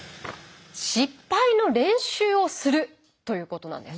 失敗の練習をするということなんです。